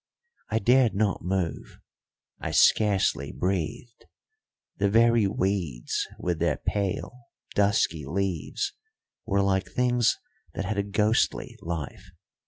I dared not move; I scarcely breathed; the very weeds with their pale, dusky leaves were like things that had a ghostly life.